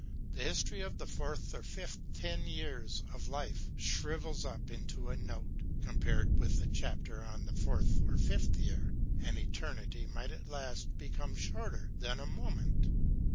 The history of the fourth or fifth ten years of life shrivels up into a note, compared with the chapter on the fourth or fifth year. An eternity might at last be come shorter than a moment.